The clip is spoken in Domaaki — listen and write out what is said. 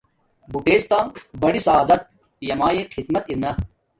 بوٹڎ تا بڑی سعادت پیامایے خدمت ارنا